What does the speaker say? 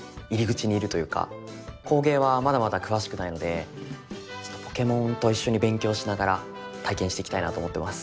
工芸はまだまだ詳しくないのでポケモンと一緒に勉強しながら体験していきたいなと思ってます。